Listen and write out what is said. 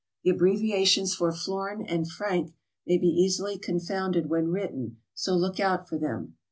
The abbreviations for florin and franc may be easily con founded when written, so look out for them.